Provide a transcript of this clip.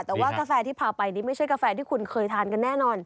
แต่ว่ากาแฟที่พาไปนี่ไม่ใช่กาแฟที่คุณเคยทานกันแน่นอน